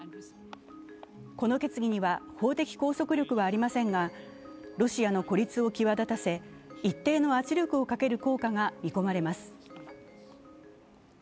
この決議には法的拘束力はありませんがロシアの孤立を際立たせ一定の圧力をかける効果が見込まれます。